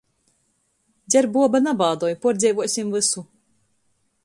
Dzer buoba, nabāduoj, puordzeivosem vusu.